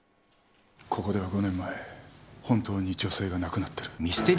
ここでは５年前本当に女性が亡くなっている。